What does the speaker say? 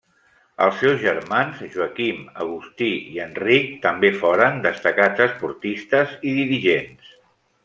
Els seus germans Joaquim, Agustí i Enric també foren destacats esportistes i dirigents.